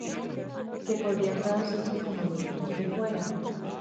Que podría traducirse como "niños de fuera".